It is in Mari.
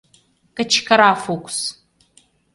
— кычкыра Фукс.